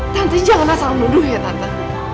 tante janganlah sangat muduh ya tante